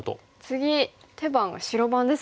次手番が白番ですもんね。